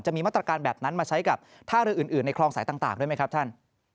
มีมาตรการแบบนั้นมาใช้กับท่าเรืออื่นในคลองสายต่างด้วยไหมครับท่าน